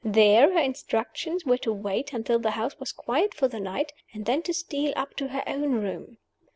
There, her instructions were to wait until the house was quiet for the night, and then to steal up to her own room.